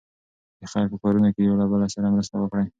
د خیر په کارونو کې یو له بل سره مرسته وکړئ.